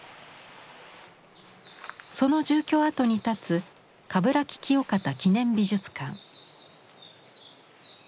その住居の跡に建つ鏑木清方記念美術館。